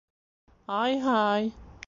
Ай-һай!